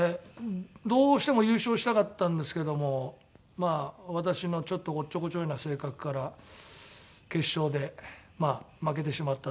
どうしても優勝したかったんですけどもまあ私のちょっとおっちょこちょいな性格から決勝で負けてしまったというか。